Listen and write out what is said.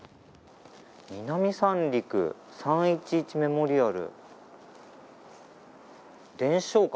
南三陸３１１メモリアル。